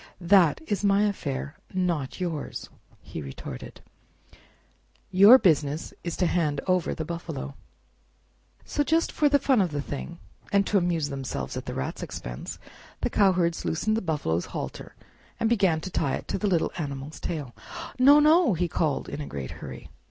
"That is my affair, not yours," he retorted; "your business is to hand over the buffalo." So just for the fun of the thing, and to amuse themselves at the Rat's expense, the cowherds loosened the buffalo's halter and began to tie it to the little animal's tail. "No! no!" he called, in a great hurry.